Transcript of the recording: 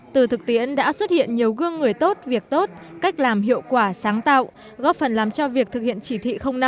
từ thực tiễn đã xuất hiện nhiều gương người tốt việc tốt cách làm hiệu quả sáng tạo góp phần làm cho việc thực hiện chỉ thị năm